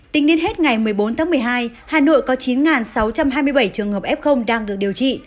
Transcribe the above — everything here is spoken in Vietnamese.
tính đến hết ngày một mươi bốn tháng một mươi hai hà nội có chín sáu trăm hai mươi bảy trường hợp f đang được điều trị